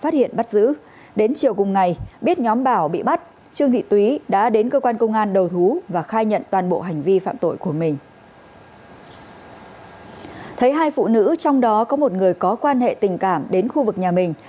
thấy hai phụ nữ trong đó có một người có quan hệ tình cảm đến khu vực nhà mình